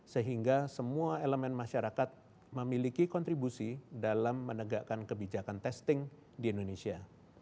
sehingga semua elemen masyarakat memiliki kontribusi dalam menegakkan kebijakan testing di indonesia